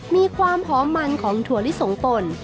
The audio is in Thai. มีความหอมมันของถั่วลิสงป่น